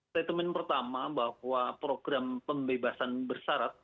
statement pertama bahwa program pembebasan bersarat